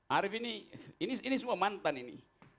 arief ini ini semua mantan ini